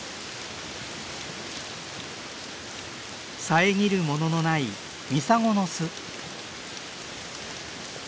遮るもののないミサゴの巣。